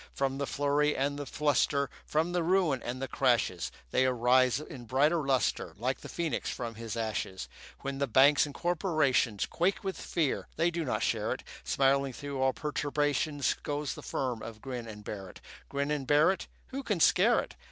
From the flurry and the fluster, From the ruin and the crashes, They arise in brighter lustre, Like the phoenix from his ashes. When the banks and corporations Quake with fear, they do not share it; Smiling through all perturbations Goes the firm of Grin and Barrett. Grin and Barrett, Who can scare it?